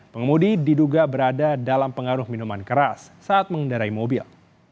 pengemudi diduga berada dalam pengaruh minuman keras saat mengendarai mobil